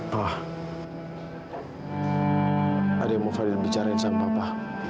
pa ada yang mau fadil bicara sama papa